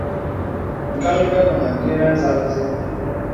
Ngal ngəməŋ àngənə́ à nzāl nzə́n.